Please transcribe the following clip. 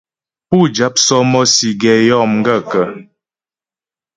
Pú jáp sɔ́mɔ́sì gɛ yó m gaə̂kə́ ?